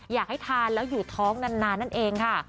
อยากให้ทานแล้วอยู่ท้องนานนั่นเองค่ะ